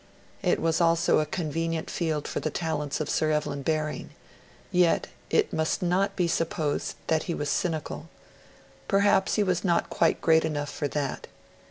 It was also a convenient field for the talents of Sir Evelyn Baring. Yet it must not be supposed that he was cynical; perhaps he was not quite great enough for that.